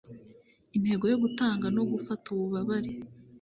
Intego yo gutanga no gufata ububabare